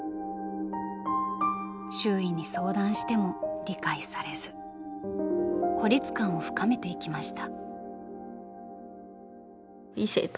周囲に相談しても理解されず孤立感を深めていきました。